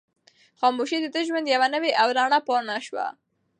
خاموشي د ده د ژوند یوه نوې او رڼه پاڼه شوه.